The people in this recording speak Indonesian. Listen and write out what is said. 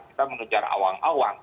kita mengejar awang awang